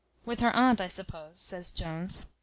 "With her aunt, I suppose," says Jones.